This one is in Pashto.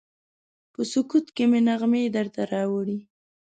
په سکوت کې مې نغمې درته راوړي